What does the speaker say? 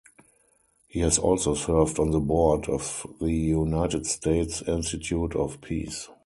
He has also served on the board of the United States Institute of Peace.